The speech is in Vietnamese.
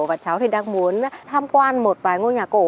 và cháu thì đang muốn tham quan một vài ngôi nhà cổ